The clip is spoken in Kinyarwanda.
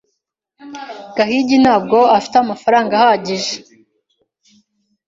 Gahigi ntabwo afite amafaranga ahagije.